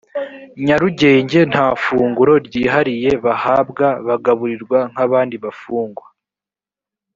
nyarugenge nta funguro ryihariye bahabwa bagaburirwa nk abandi bafungwa